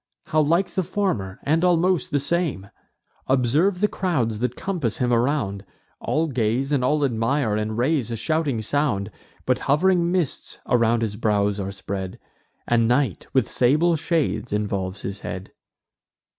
How like the former, and almost the same! Observe the crowds that compass him around; All gaze, and all admire, and raise a shouting sound: But hov'ring mists around his brows are spread, And night, with sable shades, involves his head."